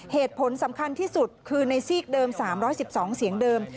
เหตุผลสำคัญที่สุดคือในซีกเดิม๓๑๒เสียงเดิม